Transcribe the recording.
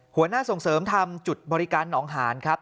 หัวหน้าส่งเสริมทำจุดบริการหนองหานครับ